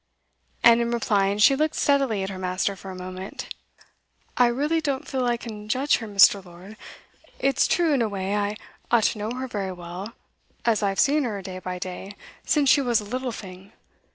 And in replying she looked steadily at her master for a moment. 'I really don't feel I can judge her, Mr. Lord. It's true, in a way, I ought to know her very well, as I've seen her day by day since she was a little thing.